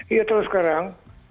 iya terus sekarang